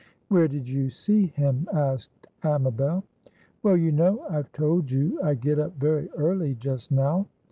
"Where did you see him?" asked Amabel. "Well, you know I've told you I get up very early just now?"